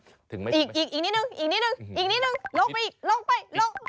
อีกนิดหนึ่งลงไปลงไป